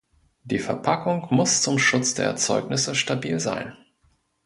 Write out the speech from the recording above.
Die Verpackung muss zum Schutz der Erzeugnisse stabil sein.